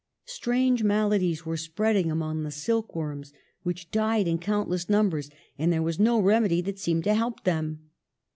Strange maladies were spreading among the silk worms, which died in countless numbers, and there was no remedy that seemed to help them.